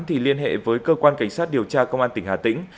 thì liên hệ với cơ quan cảnh sát điều tra công an tỉnh hà tĩnh